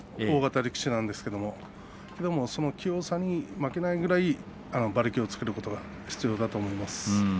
大型力士なんですけどその器用さに負けないぐらいに馬力をつけることが必要だと思います。